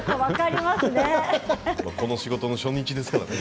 この仕事の初日ですからね。